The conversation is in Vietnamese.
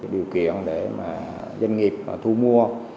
điều kiện để mà doanh nghiệp thu mua